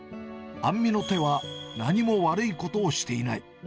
杏実の手は、何も悪いことをしていない。